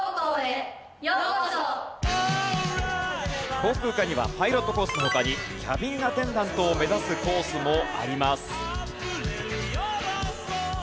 航空科にはパイロットコースの他にキャビンアテンダントを目指すコースもあります。